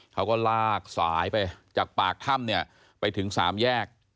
เขาก็ลากสายไปจากปากถ้ำเนี่ยไปถึง๓แยก